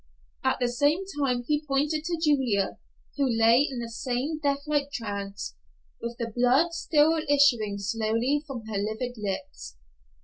At the same time he pointed to Julia, who lay in the same death like trance, with the blood still issuing slowly from her livid lips.